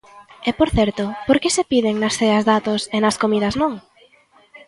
E, por certo, ¿por que se piden nas ceas datos e nas comidas non?